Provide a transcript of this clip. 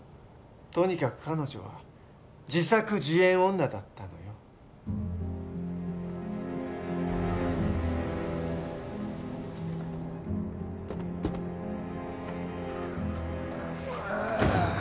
とにかく彼女は自作自演女だったのよあっ